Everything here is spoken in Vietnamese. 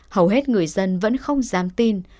hầu hết người dân vẫn không dám tin